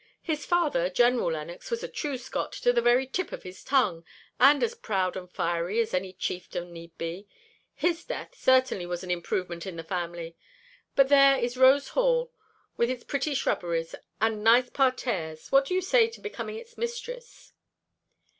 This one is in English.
His father, General Lennox, was a true Scot to the very tip of his tongue, and as proud and fiery as any chieftain need be. His death, certainly was an improvement in the family. But there is Rose Hall, with its pretty shrubberies and nice parterres, what do you say to becoming its mistress?"